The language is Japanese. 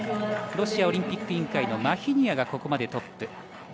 ロシアオリンピック委員会のマヒニアがここまでトップ。